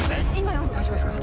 大丈夫ですか？